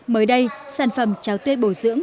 mới đây sản phẩm cháo tươi bổ dưỡng